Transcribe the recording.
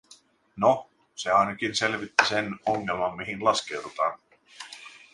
Noh, se ainakin selvitti sen ongelman, mihin laskeudutaan.